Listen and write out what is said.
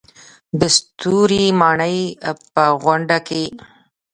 د ستوري ماڼۍ په غونډه کې.